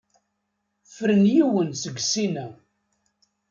Fren yiwen seg sin-a.